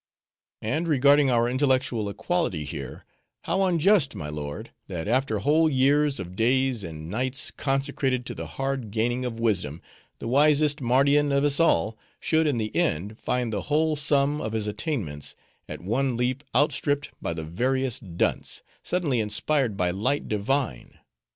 And regarding our intellectual equality here, how unjust, my lord, that after whole years of days end nights consecrated to the hard gaining of wisdom, the wisest Mardian of us all should in the end find the whole sum of his attainments, at one leap outstripped by the veriest dunce, suddenly inspired by light divine.